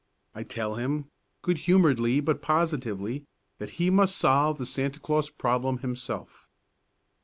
I tell him, good humouredly but positively, that he must solve the Santa Claus problem himself.